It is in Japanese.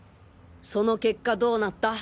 その結果どうなった？